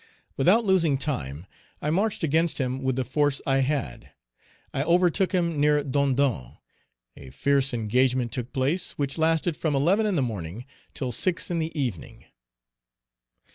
Without losing time, I marched against him with the force I had. I overtook him near Dondon. A fierce engagement took place, which lasted from eleven in the morning till six in the evening.